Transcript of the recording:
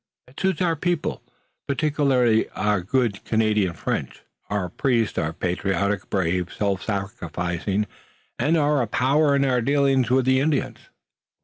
"It suits our people, particularly our good Canadian French. Our priests are patriotic, brave, self sacrificing, and are a power in our dealings with the Indians."